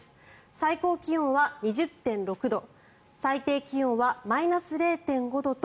最高気温は２０．６度最低気温はマイナス０．５度と